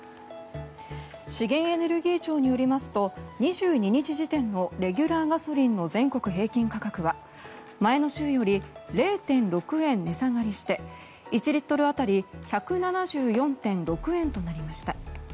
資源エネルギー庁によりますと２２日時点のレギュラーガソリンの全国平均価格は前の週より０．６円値下がりして１リットル当たり１７４．６円となりました。